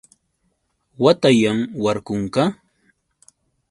Watayan. warkunqa.